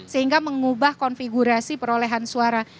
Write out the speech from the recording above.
sehingga mengubah konfigurasi perolehan suara